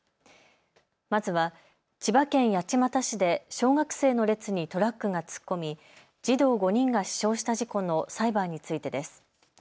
まずは千葉県八街市で小学生の列にトラックが突っ込み児童５人が死傷した事故の裁判についてです。